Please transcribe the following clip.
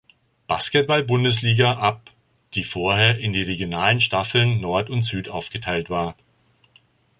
Basketball-Bundesliga ab, die vorher in die regionalen Staffeln Nord und Süd aufgeteilt war.